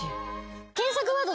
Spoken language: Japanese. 検索ワード